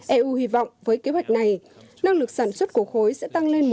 eu hy vọng với kế hoạch này năng lực sản xuất của khối sẽ tăng lên một